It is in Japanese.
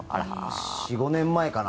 ４５年前かな？